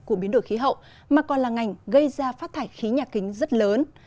của biến đổi khí hậu mà còn là ngành gây ra phát thải khí nhà kính rất lớn